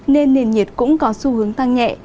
nên nền nhiệt cũng có xu hướng tăng nhẹ